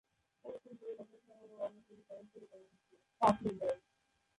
পশ্চিম তীরে নতুন শহর ও অনেকগুলি শহরতলী গড়ে উঠেছে।